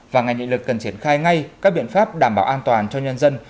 và ngành nghị lực cần triển khai ngay các biện pháp đảm bảo an toàn cho nhân dân